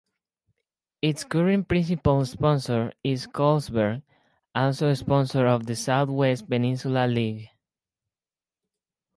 Its current principal sponsor is "Carlsberg", also sponsor of the South West Peninsula League.